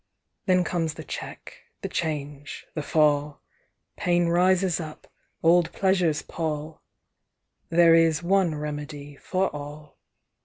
"Then comes the check, the change, the fall. Pain rises up, old pleasures pall. There is one remedy for all.